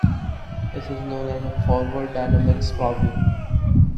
This is known as the forward dynamics problem.